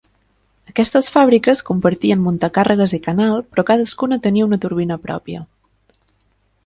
Aquestes fàbriques compartien muntacàrregues i canal, però cadascuna tenia una turbina pròpia.